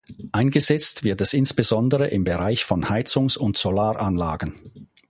Eingesetzt wird es insbesondere im Bereich von Heizungs- und Solaranlagen.